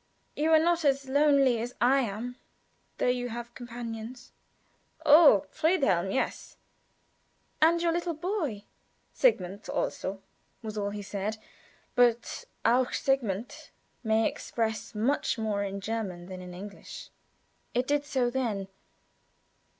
"You are not as lonely as I am, though; you have companions." "I oh Friedhelm; yes." "And your little boy." "Sigmund also," was all he said. But "auch Sigmund" may express much more in German than in English. It did so then.